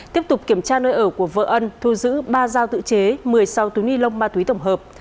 tiếp tục kiểm tra nơi ở của vợ ân thu giữ ba dao tự chế một mươi sáu túi ni lông ma túy tổng hợp